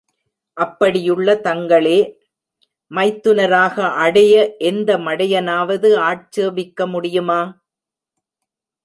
அப்படியுள்ள தங்களே மைத்துனராக அடைய எந்த மடையனாவது ஆட்சேபிக்க முடியுமா?